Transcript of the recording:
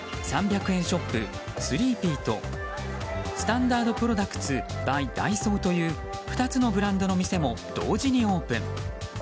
３００円ショップ、スリーピーとスタンダードプロダクツバイ・ダイソーという２つのブランドの店も同時にオープン。